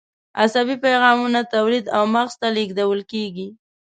عصبي پیغامونه تولید او مغز ته لیږدول کېږي.